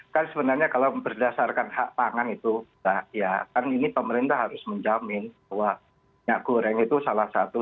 kan sebenarnya kalau berdasarkan hak pangan itu ya kan ini pemerintah harus menjamin bahwa minyak goreng itu salah satu